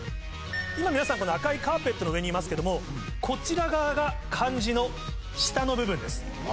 今皆さんこの赤いカーペットの上にいますけどもこちら側が漢字の下の部分です。